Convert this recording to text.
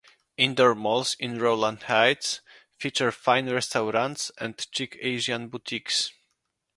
Indoor malls in Rowland Heights feature fine restaurants and chic Asian boutiques.